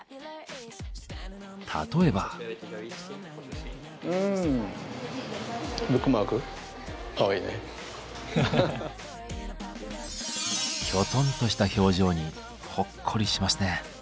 例えば。きょとんとした表情にほっこりしますね。